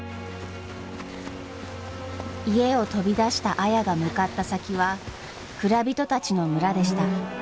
家を飛び出した綾が向かった先は蔵人たちの村でした。